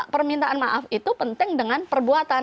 permintaan maaf itu penting dengan perbuatan